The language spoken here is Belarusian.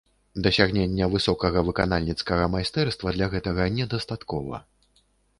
Дасягнення высокага выканальніцкага майстэрства для гэтага не дастаткова.